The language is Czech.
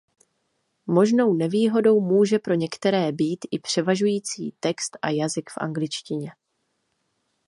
Možnou nevýhodou může pro některé být i převažující text a jazyk v angličtině.